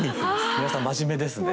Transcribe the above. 皆さん真面目ですね。